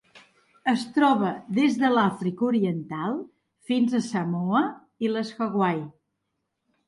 Es troba des de l'Àfrica Oriental fins a Samoa i les Hawaii.